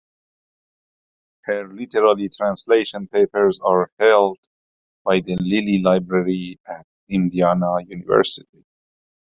Her literary translation papers are held by the Lilly Library at Indiana University.